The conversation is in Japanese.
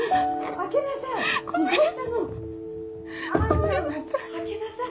もう開けなさい！